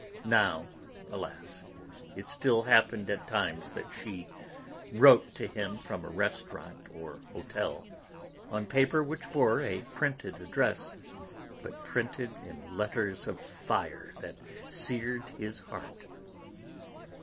Now, alas, it still happened at times that she wrote to him from a restaurant or hotel, on paper which bore a printed address, but printed in letters of fire that seared his heart.